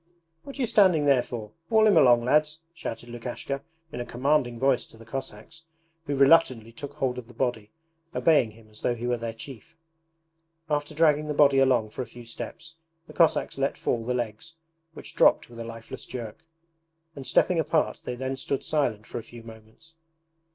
'What are you standing there for? Haul him along, lads!' shouted Lukashka in a commanding voice to the Cossacks, who reluctantly took hold of the body, obeying him as though he were their chief. After dragging the body along for a few steps the Cossacks let fall the legs, which dropped with a lifeless jerk, and stepping apart they then stood silent for a few moments.